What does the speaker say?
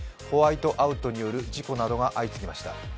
ホワイトアウトによる事故などが相次ぎました。